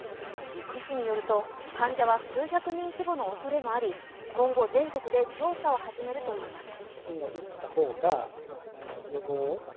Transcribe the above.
医師によると患者は数百人規模のおそれもあり今後、全国で調査を始めるといいます。